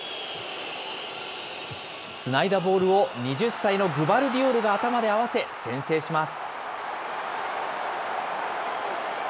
つないだボールを、２０歳のグバルディオルが頭で合わせ、先制します。